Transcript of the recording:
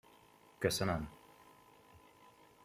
Köszönöm!